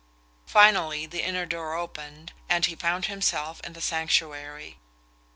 Finally the inner door opened, and he found himself in the sanctuary.